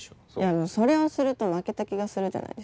でもそれをすると負けた気がするじゃないですか。